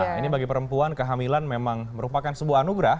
nah ini bagi perempuan kehamilan memang merupakan sebuah anugerah